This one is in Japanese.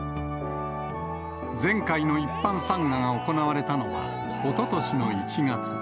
前回の一般参賀が行われたのは、おととしの１月。